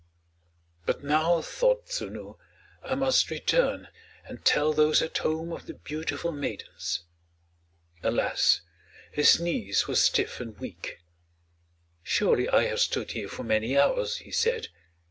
"But now," thought Tsunu, "I must return, and tell those at home of the beautiful maidens." Alas, his knees were stiff and weak. "Surely I have stood here for many hours," he said.